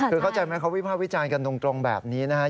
คือเข้าใจไหมเขาวิภาควิจารณ์กันตรงแบบนี้นะครับ